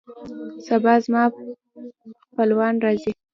سبا زما خپلوان راځي